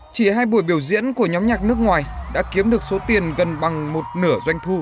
chỉ hai buổi biểu diễn của nhóm nhạc nước ngoài đã kiếm được số tiền gần bằng một nửa doanh thu